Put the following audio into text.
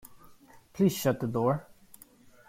Please shut the door.